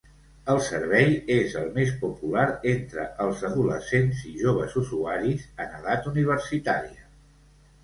El servei és el més popular entre els adolescents i joves usuaris en edat universitària.